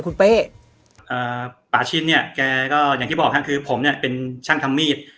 คุณเป้ปาชินเนี่ยแกก็อย่างที่บอกครับคือผมเนี่ยเป็นช่างทำมีด